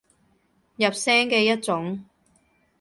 入聲嘅一種